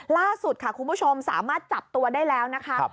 ล่าสุดค่ะคุณผู้ชมสามารถจับตัวได้แล้วนะคะ